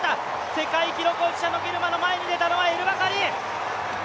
世界記録保持者のギルマの前に出たのはエルバカリ。